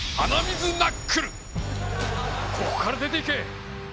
ここから出ていけ！